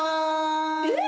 えっ？